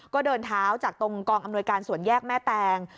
ก็เดินเท้าจากตรงกองอำนวยการสวนแยกแม่แตง